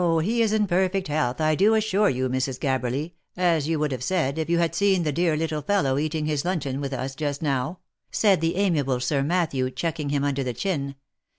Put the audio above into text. he is in perfect health, I do assure you, Mrs. Gabberly, as you would have said, if you had seen the dear little fellow eating his luncheon with usjust now," said the amiable Sir Matthew chucking him under the chin.